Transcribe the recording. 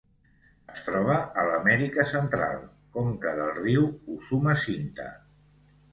Es troba a l'Amèrica Central: conca del riu Usumacinta.